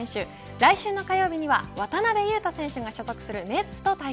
来週火曜日には、渡邊雄太選手が所属するネッツと対決。